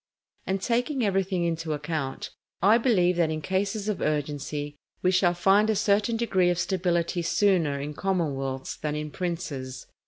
And taking everything into account, I believe that in cases of urgency, we shall find a certain degree of stability sooner in commonwealths than in princes.